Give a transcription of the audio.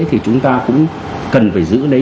thì chúng ta cũng cần phải giữ đấy